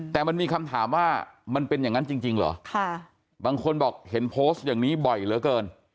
แต่มันมีคำถามว่ามันเป็นอย่างนั้นจริงเหรอบางคนบอกเห็นโพสต์อย่างนี้บ่อยเหลือเกิน